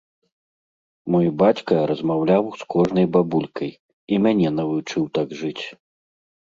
Мой бацька размаўляў з кожнай бабулькай, і мяне навучыў так жыць.